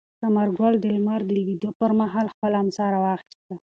ثمر ګل د لمر د لوېدو پر مهال خپله امسا راواخیسته.